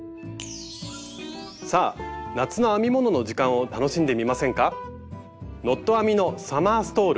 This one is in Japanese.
さあ夏の編み物の時間を楽しんでみませんか？